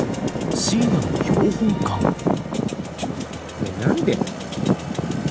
ねえ何で？